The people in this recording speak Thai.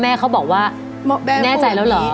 แม่เขาบอกว่าแน่ใจแล้วเหรอ